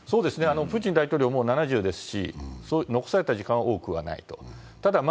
プーチン大統領もう７０ですし残された時間は多くはないと。